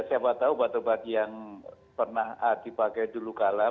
siapa tahu obat obat yang pernah dipakai dulu kalah